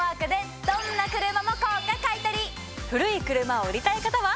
古い車を売りたい方は。